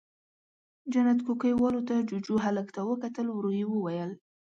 جنت کوکۍ والوته، جُوجُو، هلک ته وکتل، ورو يې وويل: